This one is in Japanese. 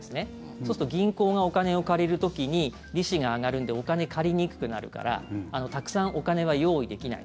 そうすると銀行がお金を借りる時に利子が上がるんでお金借りにくくなるからたくさんお金は用意できない。